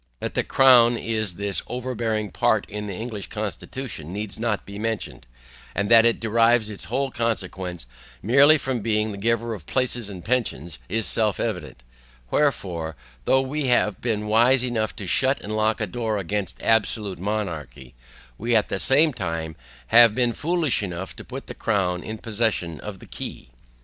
That the crown is this overbearing part in the English constitution needs not be mentioned, and that it derives its whole consequence merely from being the giver of places and pensions is self evident; wherefore, though we have been wise enough to shut and lock a door against absolute monarchy, we at the same time have been foolish enough to put the crown in possession of the key.